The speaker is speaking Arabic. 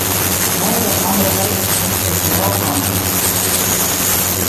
هذا الامر غير صحيح اطلاقاً.